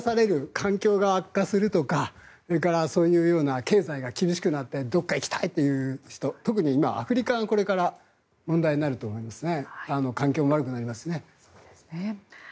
環境が悪化するとかそれから、そういうような経済が厳しくなってどこかに行きたいという人特に今、アフリカがこれから問題になると思いますね。